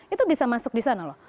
itu bisa masuk di sana loh